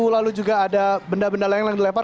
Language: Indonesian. lalu juga ada benda benda lain yang dilempar